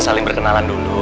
saling berkenalan dulu